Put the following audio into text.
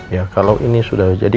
ya kalau ini sudah jadi